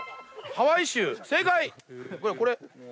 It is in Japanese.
ハワイ州正解！